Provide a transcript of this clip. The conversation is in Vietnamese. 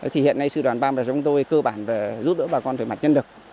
thì hiện nay sư đoàn ba trăm một mươi sáu chúng tôi cơ bản giúp đỡ bà con về mặt nhân lực